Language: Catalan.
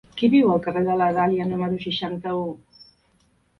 Qui viu al carrer de la Dàlia número seixanta-u?